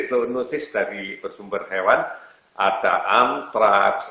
zoonosis dari bersumber hewan ada antraks